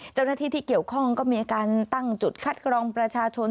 เจ้าหน้าที่ที่เกี่ยวข้องก็มีการตั้งจุดคัดกรองประชาชน